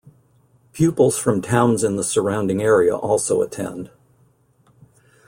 Pupils from towns in the surrounding area also attend.